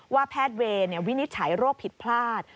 ว่าแพทย์เวรเนี่ยวินิจฉายโรคผิดพลาด